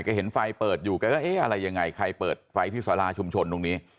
ก็เห็นไฟเปิดอยู่แกก็เอ๊ะอะไรยังไงใครเปิดไฟที่สาราชุมชนตรงนี้